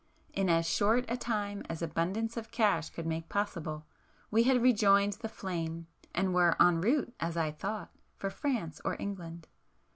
In as short a time as abundance of cash could make possible, we had rejoined 'The Flame,' and were en [p 453] route, as I thought, for France or England.